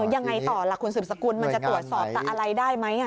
ยังไงต่อล่ะคุณสืบสกุลมันจะตรวจสอบอะไรได้ไหม